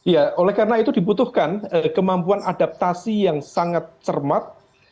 ya oleh karena itu dibutuhkan kemampuan adaptasi yang sangat cermat